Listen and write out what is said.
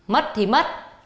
mất thì mất